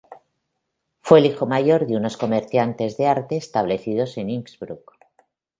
Fue el hijo mayor de unos comerciantes de arte establecidos en Innsbruck.